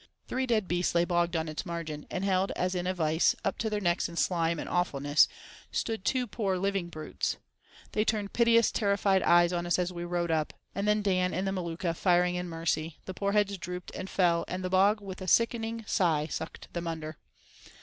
Three dead beasts lay bogged on its margin, and held as in a vice, up to their necks in slime and awfulness stood two poor living brutes. They turned piteous terrified eyes on us as we rode up, and then Dan and the Maluka firing in mercy, the poor heads drooped and fell and the bog with a sickening sigh sucked them under.